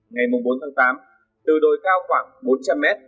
ngày bốn tháng tám từ đôi cao khoảng bốn trăm linh mét